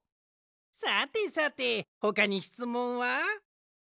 さてさてほかにしつもんは？